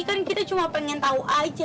kan kita cuma pengen tahu aja